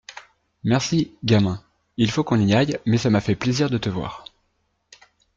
Merci, gamin, il faut qu’on y aille mais ça m’a fait plaisir de te voir.